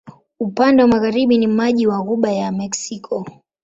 Upande wa magharibi ni maji wa Ghuba ya Meksiko.